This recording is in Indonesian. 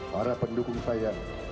para pendukung saya